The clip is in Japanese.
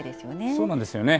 そうなんですよね。